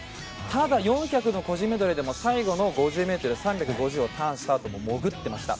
ただ、４００の個人メドレーでも最後の５０ｍ３５０をターンしたあとも潜っていました。